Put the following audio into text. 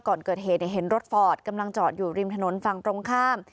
ก่อนเกิดเหตุเห็นรถฟอร์ดกำลังจอดอยู่ริมถนนฝั่งตรงข้าม